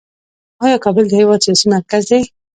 آیا کابل د هیواد سیاسي مرکز دی؟